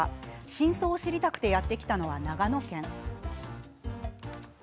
真相を知りたくてやって来たのは長野県。